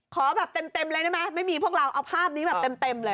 ขอแบบเต็มเลยได้ไหมไม่มีพวกเราเอาภาพนี้แบบเต็มเลย